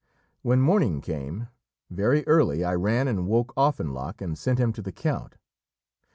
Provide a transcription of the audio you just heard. When morning came, very early I ran and woke Offenloch and sent him to the count.